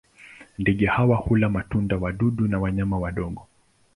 Ndege hawa hula matunda, wadudu na wanyama wadogo.